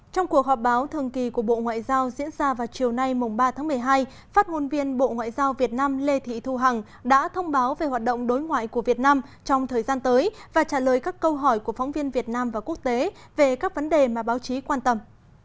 trong cuộc họp báo thường kỳ của bộ ngoại giao diễn ra vào chiều nay ba tháng một mươi hai phát ngôn viên bộ ngoại giao việt nam lê thị thu hằng đã thông báo về hoạt động đối ngoại của việt nam trong thời gian tới và trả lời các câu hỏi của phóng viên việt nam và quốc tế về các vấn đề mà báo chí quan tâm